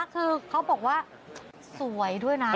คือเขาบอกว่าสวยด้วยนะ